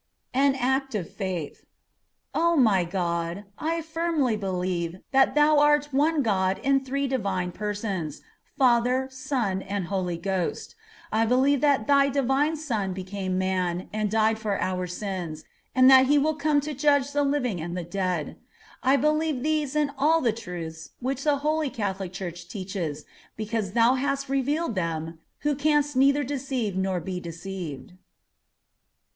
AN ACT OF FAITH O my God! I firmly believe that Thou art one God in three Divine Persons, Father, Son, and Holy Ghost; I believe that Thy Divine Son became man, and died for our sins, and that he will come to judge the living and the dead. I believe these and all the truths which the Holy Catholic Church teaches, because Thou hast revealed them, who canst neither deceive nor be deceived.